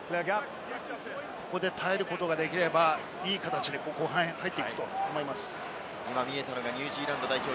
ここで耐えることができれば、いい形で後半に入っていくと思います。